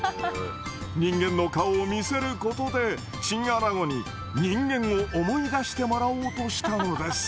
人間の顔を見せることでチンアナゴに人間を思い出してもらおうとしたのです。